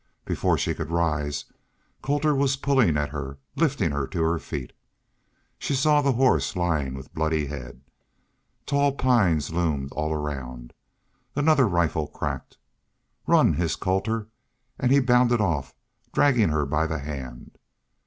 Before she could rise Colter was pulling at her, lifting her to her feet. She saw the horse lying with bloody head. Tall pines loomed all around. Another rifle cracked. "Run!" hissed Colter, and he bounded off, dragging her by the hand.